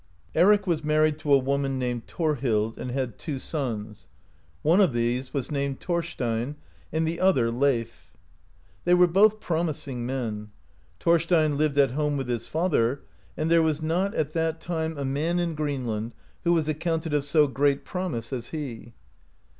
Eric was married to a woman named Thorhild, and had two sons; one of these was named Thorstein, and the other Leif. They were both promising men. Thorstein lived at home with his father, and there was not at that time a man in Greenland who was accounted of so great promise as he.